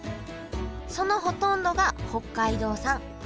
そのほとんどが北海道産。